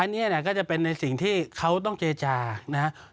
อันนี้ก็จะเป็นในสิ่งที่เขาต้องเจจานะครับ